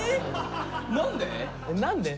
何で？